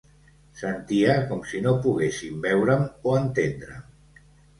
Sentia com si no poguessin veure'm o entendre'm.